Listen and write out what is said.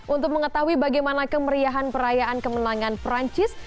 untuk mengetahui bagaimana kemeriahan perayaan kemenangan perancis